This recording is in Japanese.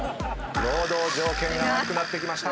労働条件が悪くなってきました。